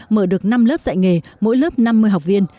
mở được năm lớp dạy nghề mỗi lớp năm mươi học viên